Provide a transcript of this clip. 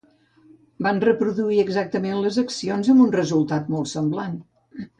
Van reproduir exactament les accions amb un resultat molt semblant.